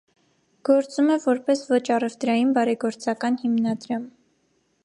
Գործում է որպես ոչ առևտրային բարեգործական հիմնադրամ։